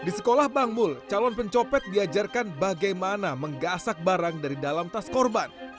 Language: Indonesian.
hai di sekolah bangmul calon pencopet diajarkan bagaimana menggasak barang dari dalam tas korban